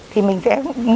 thì mình sẽ